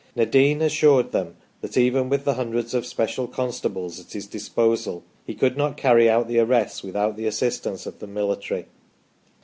Nadin assured them that even with the hundreds of special constables at his disposal he could not carry out the arrests without the assistance of the military.